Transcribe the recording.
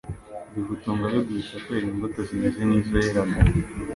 bigutunga biguhesha kwera imbuto zimeze nk'izo yeraga.